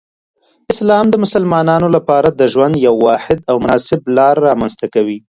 اسلام د مسلمانانو لپاره د ژوند یو واحد او مناسب لار رامنځته کوي.